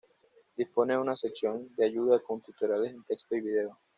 Dispone de una sección de ayuda con tutoriales en texto y video.